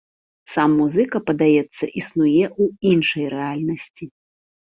Сам музыка, падаецца, існуе ў іншай рэальнасці.